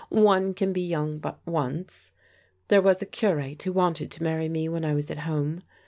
One can be young but once. There was a curate who wanted to marry me when I was at home.